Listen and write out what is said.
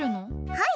はい。